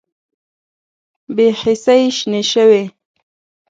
بې حسۍ شنې شوې